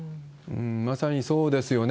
まさにそうですよね。